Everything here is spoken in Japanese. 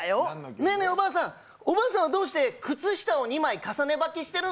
ねぇねぇおばあさん、おばあさんはどうしてよく靴下を２枚履きしてるの？